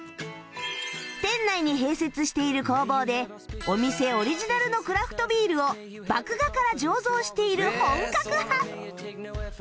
店内に併設している工房でお店オリジナルのクラフトビールを麦芽から醸造している本格派！